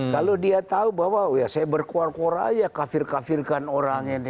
kalau dia tahu bahwa saya berkor kor aja kafir kafirkan orang ini